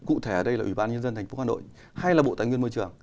cụ thể ở đây là ủy ban nhân dân tp hcm hay là bộ tài nguyên môi trường